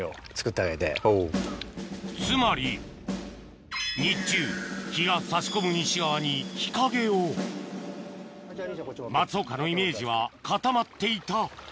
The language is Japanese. つまり日中日が差し込む西側に日陰を松岡のイメージは固まっていた